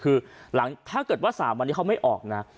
คือถ้าเกิดว่า๓วันนี้เขาไม่ออกนะ